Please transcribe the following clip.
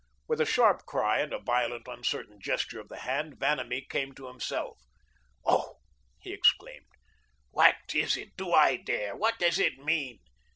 With a sharp cry and a violent uncertain gesture of the hand Vanamee came to himself. "Oh," he exclaimed, "what is it? Do I dare? What does it mean?